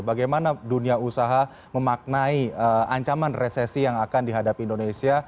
bagaimana dunia usaha memaknai ancaman resesi yang akan dihadapi indonesia